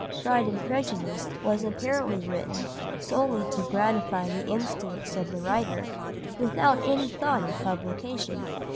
Pride and Prejudice was apparently written solely to gratify the instincts of the writer, without any thought of publication.